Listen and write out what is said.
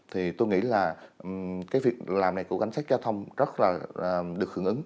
thì tôi nghĩ là cái việc làm này của cảnh sát giao thông rất là được hưởng ứng